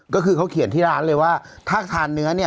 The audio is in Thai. ก็คือเขาเขียนที่ร้านเลยว่าถ้าทานเนื้อเนี่ย